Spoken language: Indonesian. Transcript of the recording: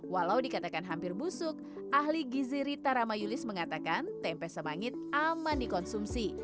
walau dikatakan hampir busuk ahli giziri tarama yulis mengatakan tempe semangit aman dikonsumsi